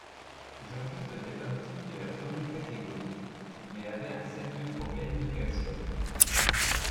Jordi faisait partie de la première catégorie, mais avait un sérieux problème de calcium.